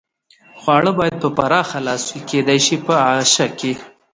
خواړه باید په پراخه لاس وي، کېدای شي په اعاشه کې.